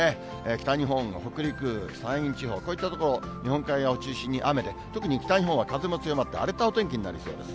北日本、北陸、山陰地方、こういった所、日本海側を中心に雨で、特に北日本は風も強まって、荒れたお天気になりそうです。